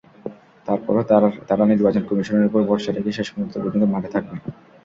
তারপরও তাঁরা নির্বাচন কমিশনের ওপর ভরসা রেখে শেষ মুহূর্ত পর্যন্ত মাঠে থাকবেন।